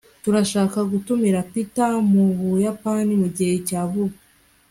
turashaka gutumira peter mubuyapani mugihe cya vuba